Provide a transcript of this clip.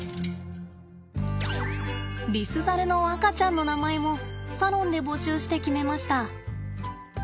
リスザルの赤ちゃんの名前もサロンで募集して決めました。